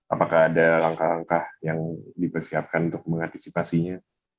apakah ada langkah langkah yang dipersiapkan untuk mengantisipasinya